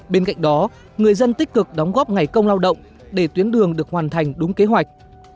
bên cạnh đó người dân tích cực đóng góp ngày công lao động để tuyến đường được hoàn thành đúng kế hoạch